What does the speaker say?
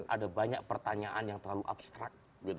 ada banyak pertanyaan yang terlalu abstrak